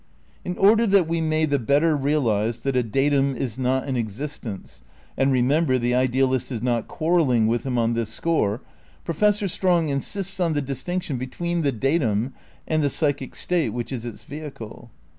In order that we may the better realise that a datum is not an existence — and remember, the idealist is not quarrelling with him on this score — Professor Strong insists on the distinction between the datum and "the psychic state which is its vehicle."